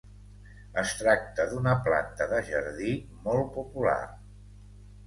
Es tracta d'una planta de jardí molt popular.